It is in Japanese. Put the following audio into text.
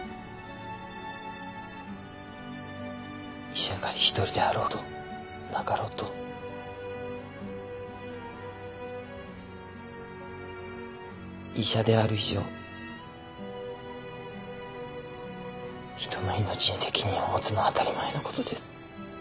医者が１人であろうとなかろうと医者である以上人の命に責任を持つのは当たり前のことです。